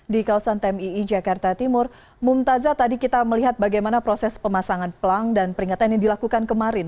di kawasan tmii jakarta timur mumtazah tadi kita melihat bagaimana proses pemasangan pelang dan peringatan yang dilakukan kemarin